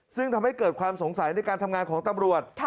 ซึ่งทำให้เกิดความสงสัยในการทำงานของตำรวจ